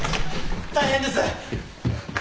大変です！